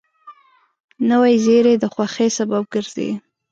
نوې زېری د خوښۍ سبب ګرځي